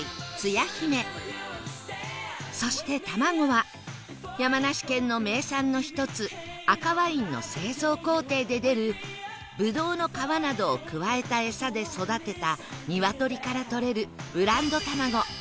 そして卵は山梨県の名産の一つ赤ワインの製造工程で出るぶどうの皮などを加えた餌で育てた鶏からとれるブランド卵